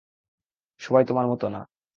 সবাই তোমার মতো না।